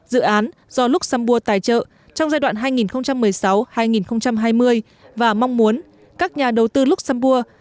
dự án do luxembourg tài trợ trong giai đoạn hai nghìn một mươi sáu hai nghìn hai mươi và mong muốn các nhà đầu tư luxembourg